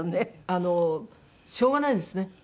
あのしょうがないですね。